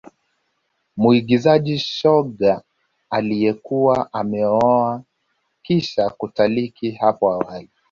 Muigizaji shoga aliyekuwa ameoa kisha kutalaki hapo awali